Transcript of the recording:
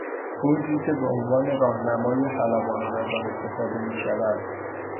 برجی که به عنوان راهنمای خلبانان از آن استفاده میشود